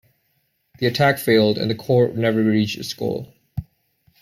The attack failed and the corps never reached its goal.